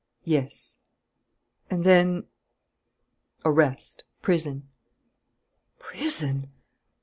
"Yes." "And then?" "Arrest prison " "Prison!"